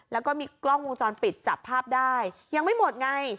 แล้วก็มีกล้องวงจรปิดจับภาพได้ยังไม่หมดไง